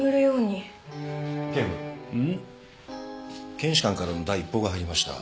検視官からの第一報が入りました。